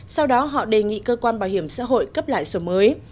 sau đó họ đề nghị cơ quan bảo hiểm xã hội cấp lại sổ mới